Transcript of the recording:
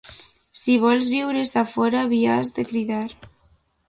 Si vols viure sa, fora vi has de cridar.